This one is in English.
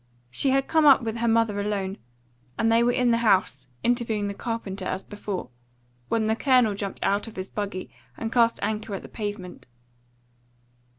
She had come up with her mother alone, and they were in the house, interviewing the carpenter as before, when the Colonel jumped out of his buggy and cast anchor at the pavement.